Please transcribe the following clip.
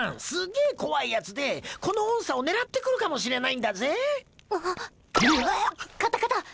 すげえ怖いやつでこの音叉を狙ってくるかもしれないんだぜ？